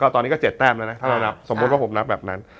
ตอนนี้ก็๗แต้มแล้วนะถ้าเรานับสมมุติว่าผมนับแบบนั้น